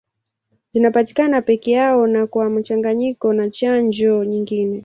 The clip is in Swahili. Zinapatikana peke yao na kwa mchanganyiko na chanjo nyingine.